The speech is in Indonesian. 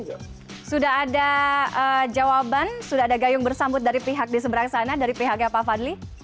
sudah ada jawaban sudah ada gayung bersambut dari pihak di seberang sana dari pihaknya pak fadli